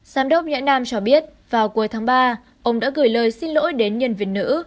giám đốc nhã nam cho biết vào cuối tháng ba ông đã gửi lời xin lỗi đến nhân viên nữ